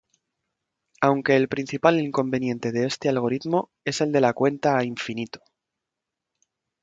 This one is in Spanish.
Aunque el principal inconveniente de este algoritmo es el de la cuenta a infinito.